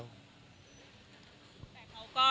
วันหนึ่งความจริงมันจะปรากฏเพราะความจริงมันมีแค่หนึ่งเดียว